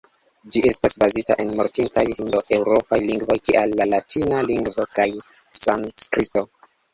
Ĝi estas bazita en mortintaj hindo-eŭropaj lingvoj kiaj la latina lingvo kaj sanskrito.